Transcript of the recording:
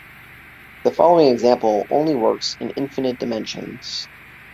The following example only works in infinite dimensions.